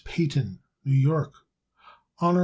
Paton, New York. Hon.